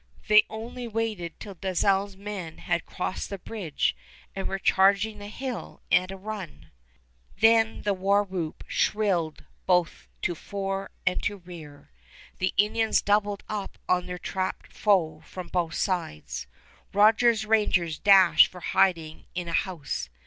They only waited till Dalzell's men had crossed the bridge and were charging the hill at a run. Then the war whoop shrilled both to fore and to rear. The Indians doubled up on their trapped foe from both sides. Rogers' Rangers dashed for hiding in a house.